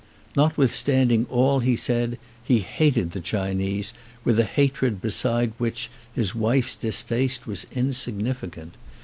Notwithstanding all he said he hated the Chinese with a hatred beside which his wife's distaste was insignificant.